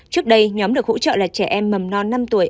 trước đây nhóm được hỗ trợ là trẻ em mầm non năm tuổi